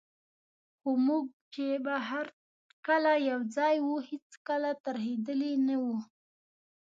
خو موږ چي به هر کله یوځای وو، هیڅکله ترهېدلي نه وو.